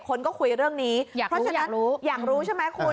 คนก็คุยเรื่องนี้อยากรู้อยากรู้อยากรู้ใช่ไหมคุณ